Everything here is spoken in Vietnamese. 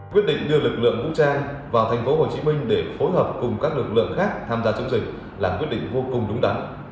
quyết định đưa lực lượng vũ trang vào thành phố hồ chí minh để phối hợp cùng các lực lượng khác tham gia chống dịch là quyết định vô cùng đúng đắn